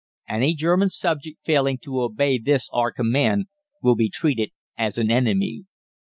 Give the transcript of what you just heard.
Any German subject failing to obey this our Command will be treated as an enemy.